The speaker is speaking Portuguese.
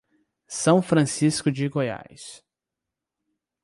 São Francisco de Goiás